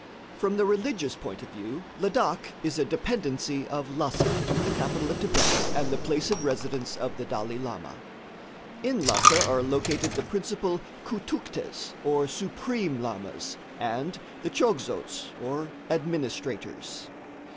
From the religious point of view Ladak is a dependency of Lhassa, the capital of Thibet and the place of residence of the Dalai Lama. In Lhassa are located the principal Khoutoukhtes, or Supreme Lamas, and the Chogzots, or administrators.